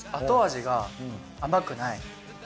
後味が甘くない。